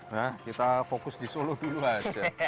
nah kita fokus di solo dulu aja